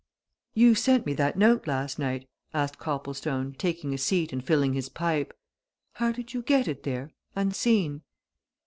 "You sent me that note last night?" asked Copplestone, taking a seat and filling his pipe. "How did you get it there unseen?"